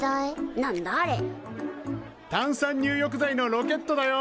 炭酸入浴剤のロケットだよ。